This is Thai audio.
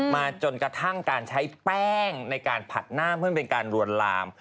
มาจนกระทั่งการใช้แป้งในการผัดหน้าเพื่อเป็นการลวนลาม